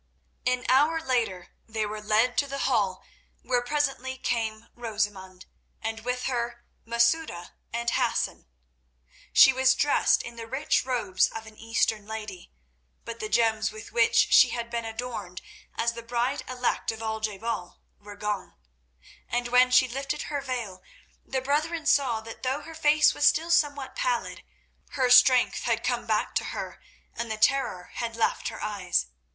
An hour later they were led to the hall, where presently came Rosamund, and with her Masouda and Hassan. She was dressed in the rich robes of an Eastern lady, but the gems with which she had been adorned as the bride elect of Al je bal were gone; and when she lifted her veil the brethren saw that though her face was still somewhat pallid, her strength had come back to her, and the terror had left her eyes.